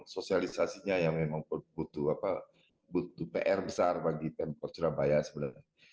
sosialisasinya yang memang butuh pr besar bagi pemkot surabaya sebenarnya